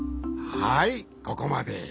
はいここまで。